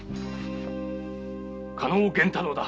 加納源太郎だ。